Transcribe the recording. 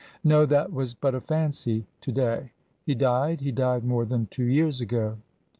"No that was but a fancy to day. He died he died more than two years ago."